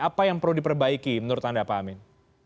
apa yang perlu diperbaiki menurut anda pak amin